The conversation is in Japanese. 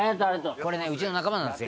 「これねうちの仲間なんですよ」